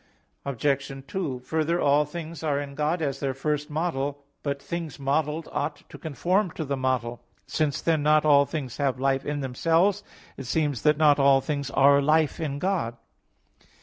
Obj. 2: Further, all things are in God as their first model. But things modelled ought to conform to the model. Since, then, not all things have life in themselves, it seems that not all things are life in God.